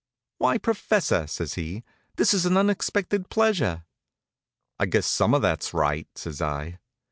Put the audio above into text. "Why, professor!" says he. "This is an unexpected pleasure." "I guess some of that's right," says I.